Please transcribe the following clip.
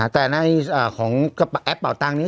แต่ในของแอปเป่าตังค์นี้